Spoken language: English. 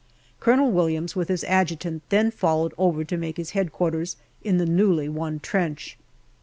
Colonel Williams, with his Adjutant, then followed over to make his H.Q. in the newly won trench.